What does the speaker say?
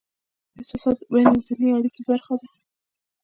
احساسات د بینالذهني اړیکې برخه دي.